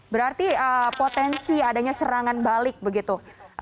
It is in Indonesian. berarti potensi adanya serangan balik begitu